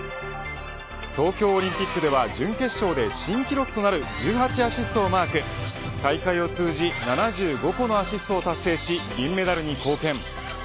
東京オリンピック準決勝で新記録となる１８アシストを達成し大会を通じ７５個のアシストを達成し銀メダルに貢献。